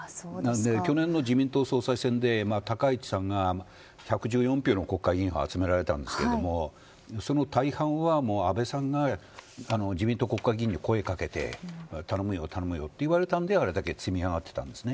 去年の自民党総裁選で高市さんが１１４票集められたんですがその大半は安倍さんが自民党国会議員に声をかけて頼むよ頼むよと言われたのであれだけ積み上がっていたんです。